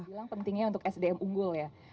bilang pentingnya untuk sdm unggul ya